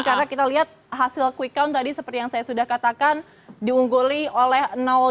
karena kita lihat hasil quick count tadi seperti yang saya sudah katakan diungguli oleh dua